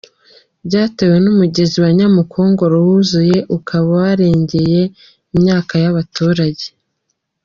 Byatewe n’umugezi wa Nyamukongoro wuzuye ukaba warengeye imyaka y’abaturage.